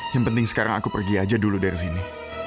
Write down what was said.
yang penting sekarang aku pergi aja dulu dari sini